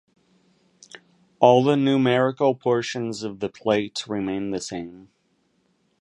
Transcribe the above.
All the numerical portions of the plate remain the same.